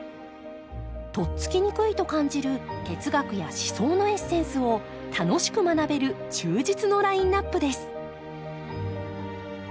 とっつきにくいと感じる哲学や思想のエッセンスを楽しく学べる充実のラインナップです